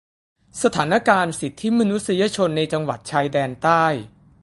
สถานการณ์สิทธิมนุษยชน ในจังหวัดชายแดนใต้